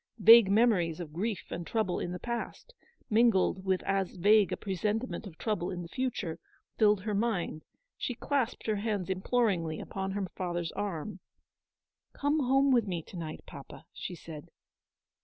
Vague memories of grief and trouble in the past, mingled with as vague a pre sentiment of trouble in the future, filled her mind : she clasped her hands imploringly upon her father's arm. " Come home with me to night, papa," she said.